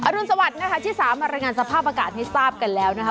รุนสวัสดิ์นะคะที่สามารถรายงานสภาพอากาศให้ทราบกันแล้วนะคะ